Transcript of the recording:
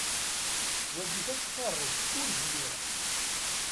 Wagi d acqirrew ur zmireɣ.